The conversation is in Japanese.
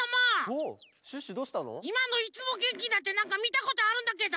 いまの「いつもげんきな」ってなんかみたことあるんだけど！